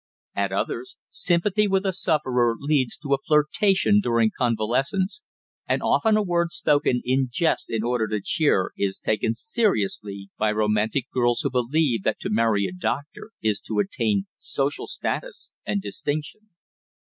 At others, sympathy with a sufferer leads to a flirtation during convalescence, and often a word spoken in jest in order to cheer is taken seriously by romantic girls who believe that to marry a doctor is to attain social status and distinction.